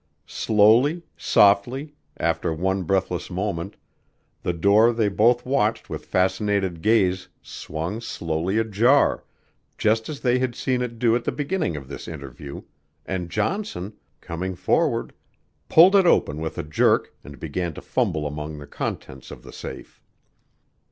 Slowly, softly, after one breathless moment, the door they both watched with fascinated gaze swung slowly ajar, just as they had seen it do at the beginning of this interview, and Johnson, coming forward, pulled it open with a jerk and began to fumble among the contents of the safe.